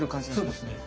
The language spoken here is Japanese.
そうですね。